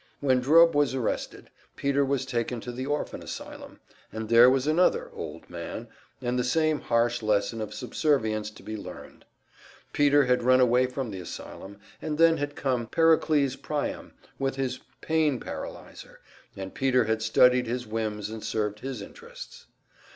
When Drubb was arrested, Peter was taken to the orphan asylum, and there was another "Old Man," and the same harsh lesson of subservience to be learned. Peter had run away from the asylum; and then had come Pericles Priam with his Pain Paralyzer, and Peter had studied his whims and served his interests.